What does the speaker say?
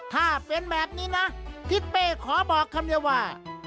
ถ้าเป็นแบบนี้นะทิศเป้ขอบอกคำเดียวว่า